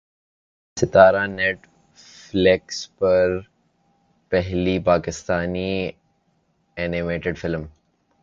ستارہ Netflix پر پہلی پاکستانی اینیمیٹڈ فلم